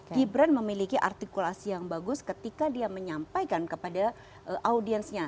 gibran memiliki artikulasi yang bagus ketika dia menyampaikan kepada audiensnya